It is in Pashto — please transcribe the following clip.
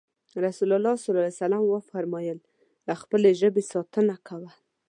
رسول الله ص وفرمايل د خپلې ژبې ساتنه کوه.